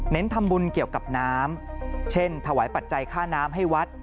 ทำบุญเกี่ยวกับน้ำเช่นถวายปัจจัยค่าน้ำให้วัด